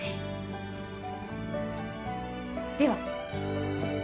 では。